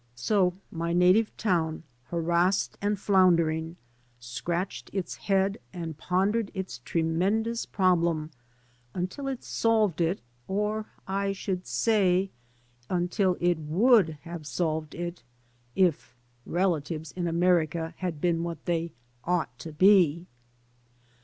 So my native town, harassed and floundering, scratched its head and pondered its tremendous problem until it solved it — or I should say, until it would have solved it if relatives in America had been what they ought to be.